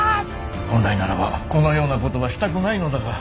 本来ならばこのようなことはしたくないのだが。